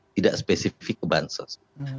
tidak spesifik ke bansos